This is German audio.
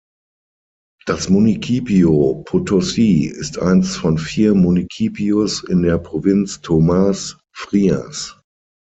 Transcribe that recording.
Das Municipio Potosí ist eins von vier Municipios in der Provinz Tomás Frías.